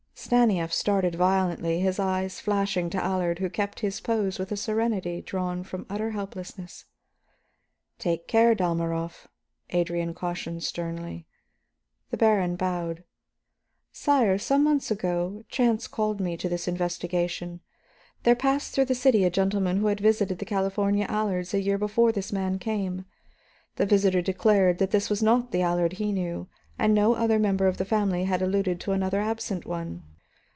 Stanief started violently, his eyes flashing to Allard, who kept his pose with a serenity drawn from utter helplessness. "Take care, Dalmorov," Adrian cautioned sternly. The baron bowed. "Sire, some months ago chance called me to this investigation. There passed through the city a gentleman who had visited the California Allards a year before this man came here. The visitor declared that this was not the Allard he knew, and no other member of the family had alluded to another absent one.